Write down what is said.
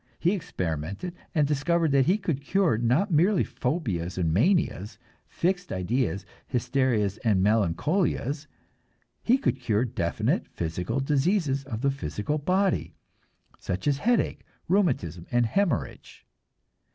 He experimented and discovered that he could cure not merely phobias and manias, fixed ideas, hysterias and melancholias; he could cure definite physical diseases of the physical body, such as headache, rheumatism, and hemorrhage.